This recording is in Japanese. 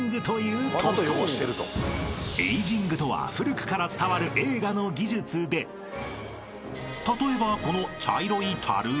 ［エイジングとは古くから伝わる映画の技術で例えばこの］